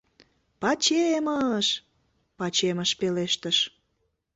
— «Пачемыш!» — Пачемыш пелештыш.